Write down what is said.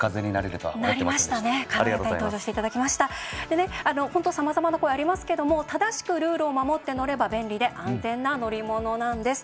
でね本当さまざまな声ありますけども正しくルールを守って乗れば便利で安全な乗り物なんです。